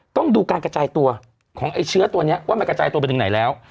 ต้องดูการกระจายตัวของไอ้เชื้อตัวนี้ว่ามันกระจายตัวไปถึงไหนแล้ว